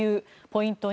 ポイント